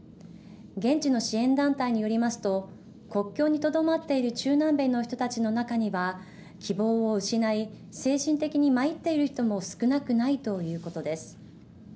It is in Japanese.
現地の支援団体によりますと国境にとどまっている中南米の人たちの中には希望を失い精神的に参っている人も少なくないということです。